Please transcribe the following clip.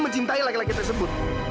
mencintai laki laki tersebut